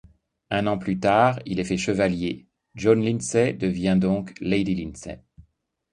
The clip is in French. Un an plus tard, il est fait chevalier, Joan Lindsay devient donc Lady Lindsay.